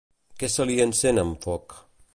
Què se li encén amb foc?